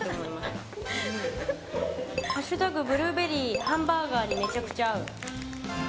ハッシュタグブルーベリー、ハンバーガーにめちゃくちゃ合う。